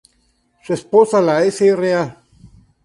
Su esposa la Sra.